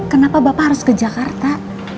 kenapa bapak harus ke jakarta